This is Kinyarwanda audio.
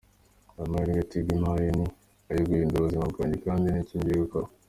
Aya mahirwe Tigo impaye ni ayo guhindura ubuzima bwanjye kandi nicyo ngiye gukora.